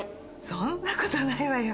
そんなことないわよ。